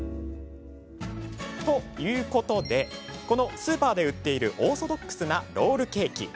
ということでこのスーパーで売っているオーソドックスなロールケーキ。